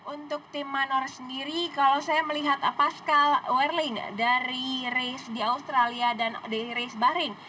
untuk tim manor sendiri kalau saya melihat pascal werlin dari race di australia dan di race bahrain